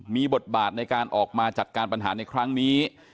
มีบทบาทในการออกมาจัดการปัญหาในครั้งนี้